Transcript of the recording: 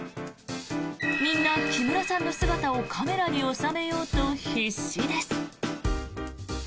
みんな、木村さんの姿をカメラに収めようと必死です。